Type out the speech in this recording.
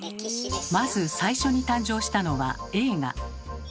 まず最初に誕生したのは映画。